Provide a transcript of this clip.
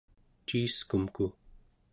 ciiskumku